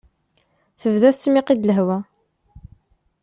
Tebda tettmiqi-d lehwa.